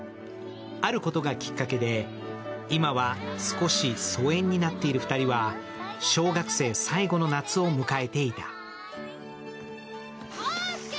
あることがきっかけで今は少し疎遠になっている２人は小学生最後の夏を迎えていた。